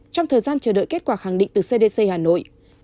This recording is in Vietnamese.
trong thời gian chờ đợi kết quả khẳng định từ cdc hà nội